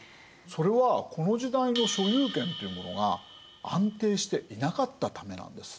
それはこの時代の所有権っていうものが安定していなかったためなんです。